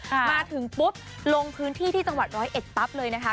มาถึงปุ๊บลงพื้นที่ที่จังหวัดร้อยเอ็ดปั๊บเลยนะคะ